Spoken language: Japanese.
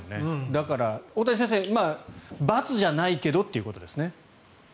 だから、大谷先生×じゃないけどっていうことですね。